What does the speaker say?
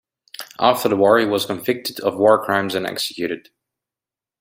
After the war, he was convicted of war crimes and executed.